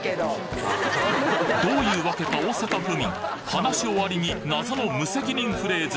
どういうわけか大阪府民話終わりに謎の無責任フレーズ